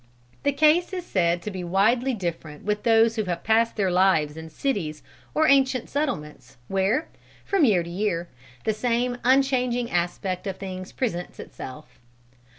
The case is said to be widely different with those who have passed their lives in cities or ancient settlements where, from year to year, the same unchanging aspect of things presents itself.